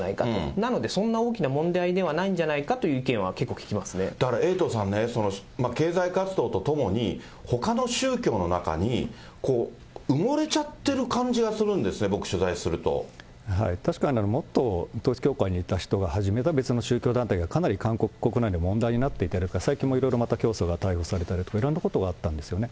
なのでそんな大きな問題じゃないんじゃないかという意見は結構聞だから、エイトさんね、経済活動とともに、ほかの宗教の中に、埋もれちゃってる感じがするんで確かに、元統一教会にいた人が始めた別の宗教団体がかなり韓国国内で問題になってて、最近はまた教祖が逮捕されたりとか、いろんなことがあったんですよね。